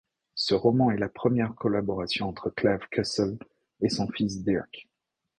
Ce roman est la première collaboration entre Clive Cussler et son fils Dirk.